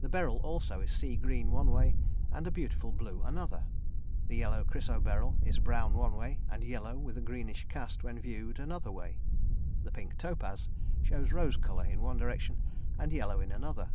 The beryl also, is sea green one way and a beautiful blue another; the yellow chrysoberyl is brown one way and yellow with a greenish cast when viewed another way. The pink topaz shows rose colour in one direction and yellow in another.